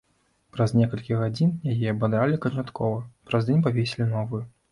Праз некалькі гадзін яе абадралі канчаткова, праз дзень павесілі новую.